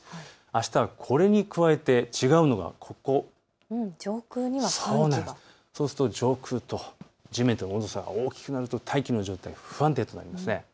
あしたはこれに加えて違うのがここ上空には寒気、上空と地面と温度の差が大きくなると大気の状態が不安定になります。